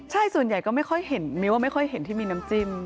ใช่ส่วนใหญ่ก็ไม่ค่อยเห็นมิ้วว่าไม่ค่อยเห็นที่มีน้ำจิ้ม